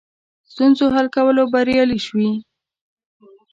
ستونزو حل کولو بریالي شوي.